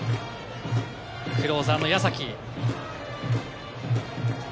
クローザーの矢崎。